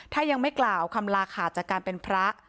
ถ้ายังไม่กล่าวคำลาขาดจากการเป็นพระ